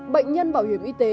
bệnh nhân bảo hiểm y tế